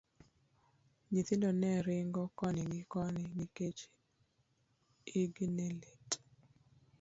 Nyithindo ne ringo koni gi koni nikech igi ne lit.